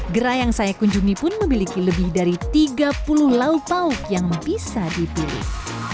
gerai yang saya kunjungi pun memiliki lebih dari tiga puluh lauk pauk yang bisa dipilih